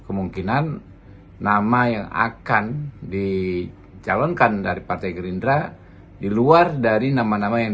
kemungkinan nama yang akan di calon kan dari partai enggerindra diluar dari nama nama yang